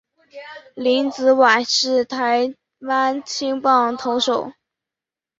林子崴是台湾青棒投手。